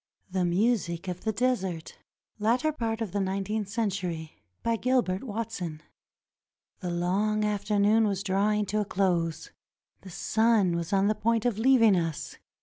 THE MUSIC OF THE DESERT [Latter part of nineteenth century] BY GILBERT WATSON The long afternoon was drawing to a close. The sun was on the point of leaving us.